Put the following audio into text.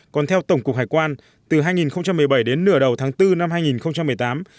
còn theo tổng cục hải quan từ hai nghìn một mươi bảy đến nửa đầu tháng bốn năm hai nghìn một mươi tám